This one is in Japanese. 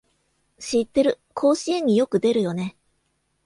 知ってる、甲子園によく出るよね